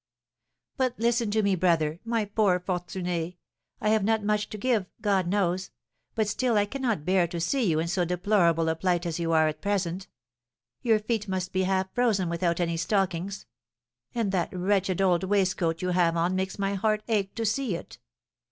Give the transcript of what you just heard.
"But listen to me, brother, my poor Fortuné. I have not much to give, God knows! but still I cannot bear to see you in so deplorable a plight as you are at present. Your feet must be half frozen without any stockings; and that wretched old waistcoat you have on makes my heart ache to see it.